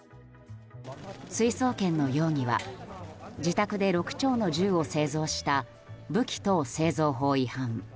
追送検の容疑は自宅で６丁の銃を製造した武器等製造法違反。